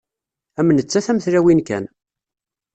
Am nettat am tlawin kan.